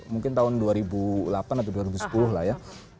mungkin tahun dua ribu delapan atau dua ribu sepuluh lah ya